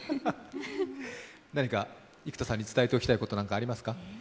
何か生田さんに伝えておきたいことありますか？